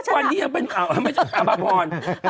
วันนี้ยังเป็นอภพร